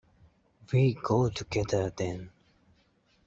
We go together, then.